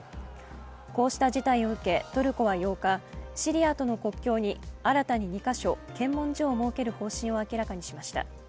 こうした事態を受けトルコは８日シリアとの国境に新たに２か所、検問所を設ける方針を明らかにしました。